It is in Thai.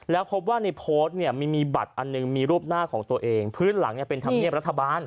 แล้วพบว่าในโพสต์เนี่ยมีบัตรอันหนึ่งมีรูปหน้าของตัวเองพื้นหลังเป็นธรรมเนียบรัฐบาล